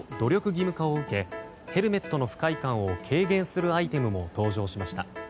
義務化を受けヘルメットの不快感を軽減するアイテムも登場しました。